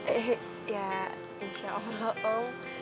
eh ya insya allah oh